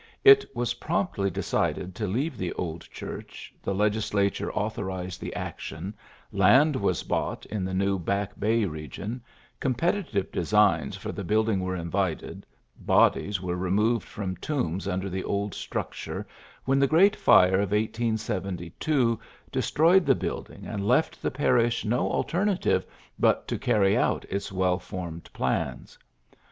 It was promptly de cided to leave the old church, the legis lature authorized the action, land was bought in the new Back Bay region, competitive designs for the building were invited, bodies were removed from tombs under the old structure, when the great fire of 1872 destroyed the building and left the parish no alternative but to carry out its well formed plans.